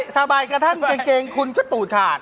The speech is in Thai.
สบายกระทั่งกางเกงคุณก็ตู่ถาด